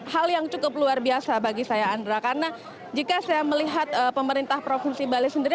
hal yang cukup luar biasa bagi saya andra karena jika saya melihat pemerintah provinsi bali sendiri